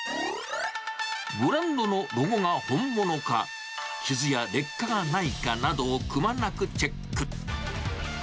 ブランドのロゴが本物か、傷や劣化がないかなどをくまなくチェック。